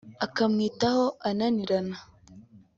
ukamwitaho ananirana